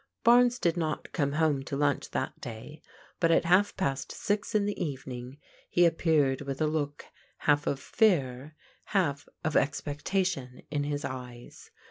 Barnes did not come home to Itmch that day, but at I half past six in the evening he appeared with a look half of fear, half of expectation in his eyes.